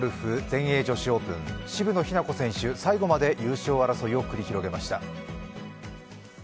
全英女子オープン渋野日向子選手、最後まで優勝争いを繰り広げました。